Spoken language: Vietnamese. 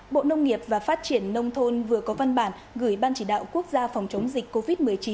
bộ nông nghiệp và phát triển nông thôn vừa có văn bản gửi ban chỉ đạo quốc gia phòng chống dịch covid một mươi chín